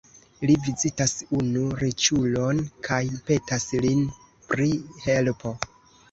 Li vizitas unu riĉulon kaj petas lin pri helpo.